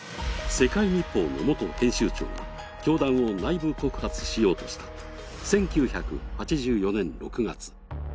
「世界日報」の元編集長が教団を内部告発しようとした１９８４年６月。